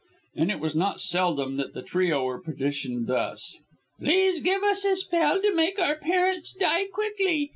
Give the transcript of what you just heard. And it was not seldom that the trio were petitioned thus: "Please give us a spell to make our parents die quickly.